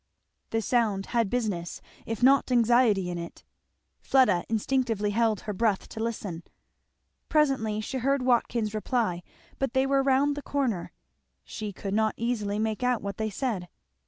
The sound had business, if not anxiety, in it. Fleda instinctively held her breath to listen. Presently she heard Watkins reply; but they were round the corner, she could not easily make out what they said.